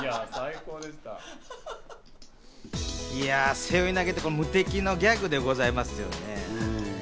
背負い投げって無敵のギャグでございますよね。